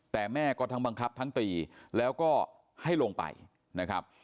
แต่แม่ก็ทั้งบังคับทั้งตีแล้วก็ให้ลงไปนะครับ